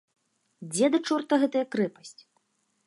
Дзе да чорта гэтая крэпасць?